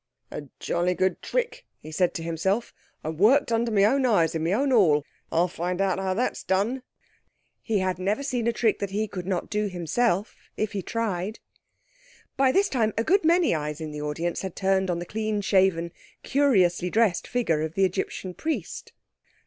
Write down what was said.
"A jolly good trick," he said to himself, "and worked under my own eyes, in my own hall. I'll find out how that's done." He had never seen a trick that he could not do himself if he tried. By this time a good many eyes in the audience had turned on the clean shaven, curiously dressed figure of the Egyptian Priest.